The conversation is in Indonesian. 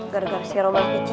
gara gara si robot kecil